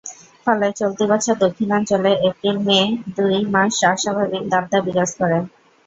ফলে চলতি বছর দক্ষিণাঞ্চলে এপ্রিল-মে দুই মাস অস্বাভাবিক দাবদাহ বিরাজ করে।